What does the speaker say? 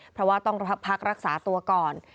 เพราะว่าต้องพักรักษาตัวก่อน